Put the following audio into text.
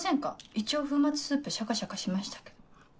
一応粉末スープシャカシャカしましたけど。